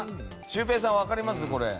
シュウペイさん、分かります？